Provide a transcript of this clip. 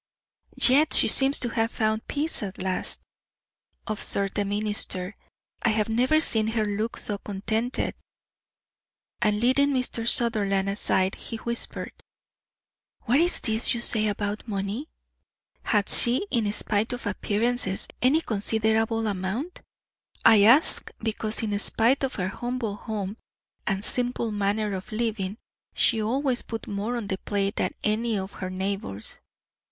"Yet she seems to have found peace at last," observed the minister. "I have never seen her look so contented." And leading Mr. Sutherland aside, he whispered: "What is this you say about money? Had she, in spite of appearances, any considerable amount? I ask, because in spite of her humble home and simple manner of living, she always put more on the plate than any of her neighbours.